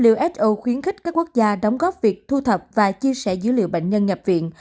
uso khuyến khích các quốc gia đóng góp việc thu thập và chia sẻ dữ liệu bệnh nhân nhập viện